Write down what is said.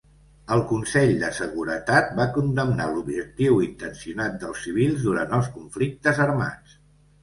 El Consell de Seguretat va condemnar l'objectiu intencionat dels civils durant els conflictes armats.